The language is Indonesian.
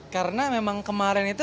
karena memang kemarin itu